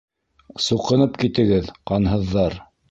Суҡынып китегеҙ, ҡанһыҙҙар!